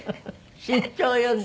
慎重よね。